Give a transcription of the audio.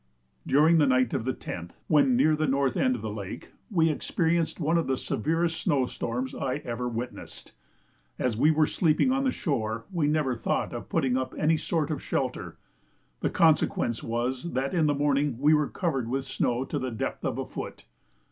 During the night of the 10th, when near the north end of the lake, we experienced one of the severest snow storms I ever witnessed. As we were sleeping on shore we never thought of putting up any sort of shelter; the consequence was that in the morning we were covered with snow to the depth of a foot.